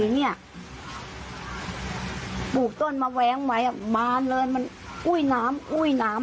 เนี่ยปลูกต้นมาแว้งไว้มาเลยมันอุ้ยน้ำอุ้ยน้ำ